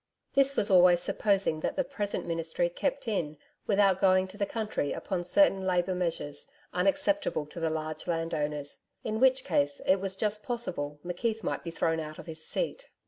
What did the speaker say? This was always supposing that the present Ministry kept in without going to the country upon certain Labour measures unacceptable to the large land owners, in which case it was just possible McKeith might be thrown out of his seat.